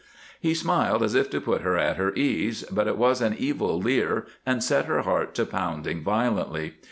He smiled as if to put her at her ease, but it was an evil leer and set her heart to pounding violently.